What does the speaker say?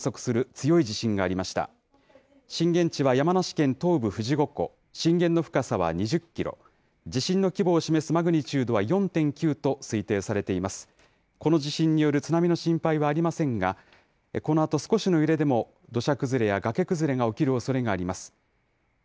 この地震による津波の心配はありませんが、このあと少しの揺れでも土砂崩れや崖崩れが起きるおそれがあります。